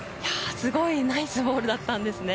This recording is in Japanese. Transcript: すごい。ナイスボールだったんですね。